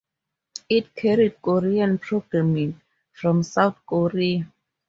It carried Korean programming from South Korea.